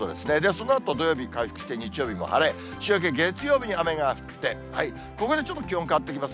そのあと土曜日回復して、日曜日も晴れ、週明け月曜日に雨が降って、ここでちょっと気温変わってきます。